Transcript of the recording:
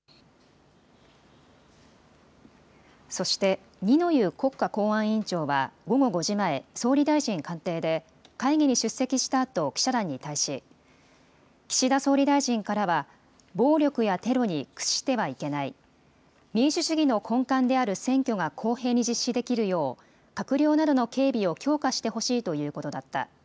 そして、二之湯国家公安委員長は午後５時前、総理大臣官邸で会議に出席したあと、記者団に対し、岸田総理大臣からは、暴力やテロに屈してはいけない、民主主義の根幹である選挙が公平に実施できるよう、閣僚などの警備を強化してほしいということだった。